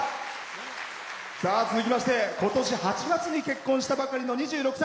続きまして、ことし８月に結婚したばかりの２６歳。